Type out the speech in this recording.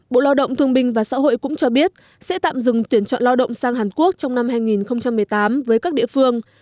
bộ lao động thương binh và xã hội cũng cho biết sẽ tạm dừng tuyển chọn lao động sang hàn quốc trong năm hai nghìn một mươi tám với các địa phương